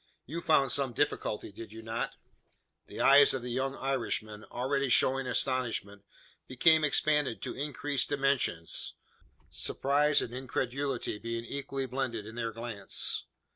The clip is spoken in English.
You found some difficulty did you not?" The eyes of the young Irishman, already showing astonishment, became expanded to increased dimensions surprise and incredulity being equally blended in their glance.